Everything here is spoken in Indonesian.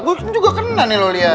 gua kan juga kena nih lu lihat